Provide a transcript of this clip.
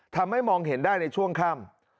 ทำให้มองเห็นได้ในช่วงค่ำ